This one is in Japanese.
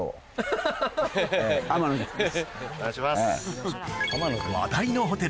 お願いします。